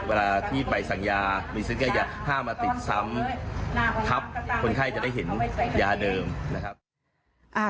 เวลาที่ไปสั่งยา